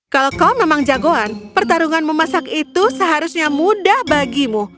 kalau kau memang jagoan pertarungan memasak itu seharusnya mudah bagimu